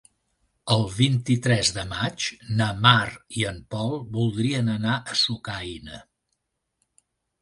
El vint-i-tres de maig na Mar i en Pol voldrien anar a Sucaina.